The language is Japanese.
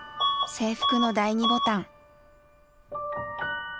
制服の第二ボタン。